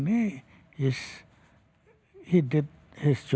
dia melakukan pekerjaannya dengan baik